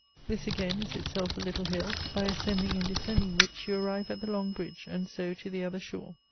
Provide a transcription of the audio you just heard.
This again is itself a little hill, by ascending and descending which, you arrive at the long bridge, and so to the other shore.